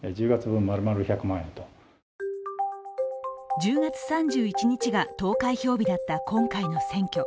１０月３１日が投開票日だった今回の選挙。